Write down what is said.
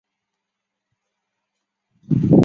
舍尔斯特滕是德国巴伐利亚州的一个市镇。